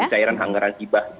pencairan anggaran ibah